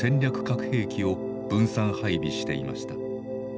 核兵器を分散配備していました。